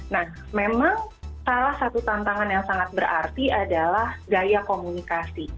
nah memang salah satu tantangan yang sangat berarti adalah gaya komunikasi